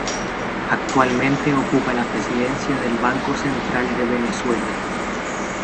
Actualmente ocupa la presidencia del Banco Central de Venezuela.